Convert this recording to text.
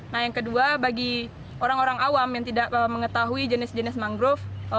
nah yang kedua bagi orang orang awam yang tidak mengetahui jenis jenis mangrove